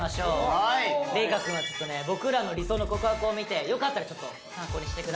玲翔くんは僕らの理想の告白を見てよかったらちょっと参考にしてください。